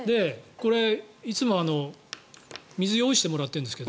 いつも水用意してもらってるんですが